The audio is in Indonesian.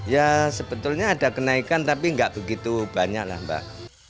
ya sebetulnya ada kenaikan tapi nggak begitu banyak lah mbak